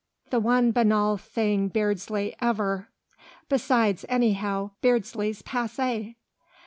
"The one banal thing Beardsley ever.... Besides, anyhow Beardsley's passé."